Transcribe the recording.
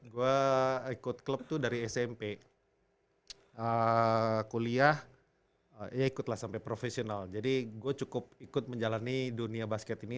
gue ikut klub tuh dari smp kuliah ya ikutlah sampai profesional jadi gue cukup ikut menjalani dunia basket ini